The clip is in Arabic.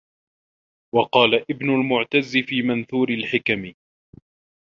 وَقَالَ ابْنُ الْمُعْتَزِّ فِي مَنْثُورِ الْحِكَمِ